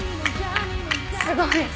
すごい。